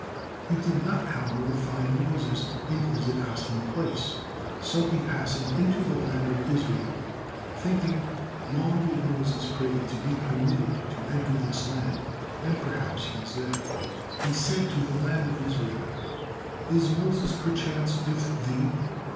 He did not, however, find Moses in his accustomed place, so he hastened into the land of Israel, thinking, "Long did Moses pray to be permitted to enter this land, and perhaps he is there." He said to the land of Israel, "Is Moses perchance with thee?"